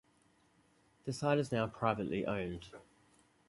The site is now privately owned.